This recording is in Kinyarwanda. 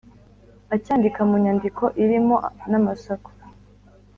acyandika mu nyandiko irimo n’amasaku.